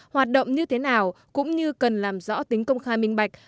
hoạt động như thế nào cũng như cần làm rõ tính công khai minh bạch